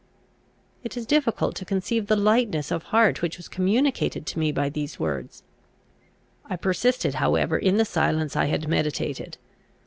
It is difficult to conceive the lightness of heart which was communicated to me by these words: I persisted however in the silence I had meditated.